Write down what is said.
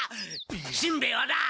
しんべヱはな